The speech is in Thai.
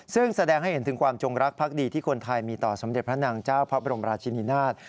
ซึ่งแสดงให้เห็นถึงความจงรักภักดีที่คนไทยมีต่อสมเด็จพระนางเจ้าพระบรมราชินินาศ